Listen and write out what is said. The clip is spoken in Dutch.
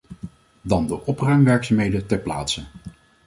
Dan de opruimwerkzaamheden ter plaatse.